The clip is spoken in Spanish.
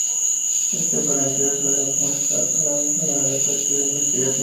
Este aparente sesgo muestral permanece en un área de activa investigación.